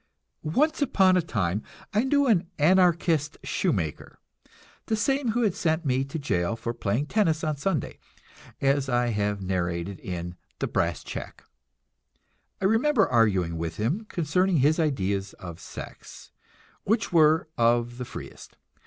Once upon a time I knew an Anarchist shoemaker, the same who had me sent to jail for playing tennis on Sunday, as I have narrated in "The Brass Check." I remember arguing with him concerning his ideas of sex, which were of the freest.